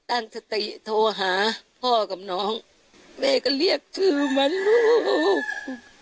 ตั้งสติโทรหาพ่อกับน้องแม่ก็เรียกชื่อมาลูก